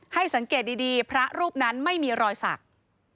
สังเกตดีพระรูปนั้นไม่มีรอยสัก